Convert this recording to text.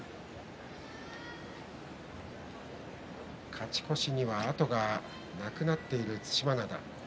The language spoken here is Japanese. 勝ち越しには後がなくなっている對馬洋。